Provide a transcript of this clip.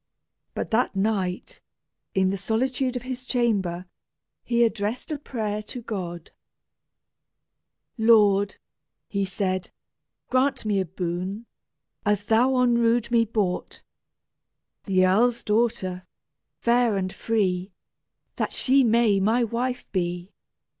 But that night, in the solitude of his chamber, he addressed a prayer to God: "Lord," he said, "grant me a boon, As thou on rood me bought! The erle's daughter, fair and free, That she may my wife be!